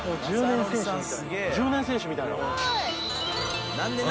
１０年選手みたいな？